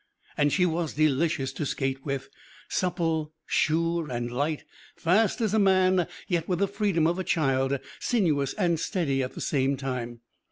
And she was delicious to skate with supple, sure, and light, fast as a man yet with the freedom of a child, sinuous and steady at the same time.